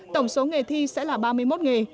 tổng số nghề thi sẽ là ba mươi một nghề